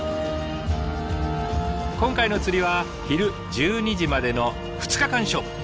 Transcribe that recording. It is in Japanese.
今回の釣りは昼１２時までの２日間勝負。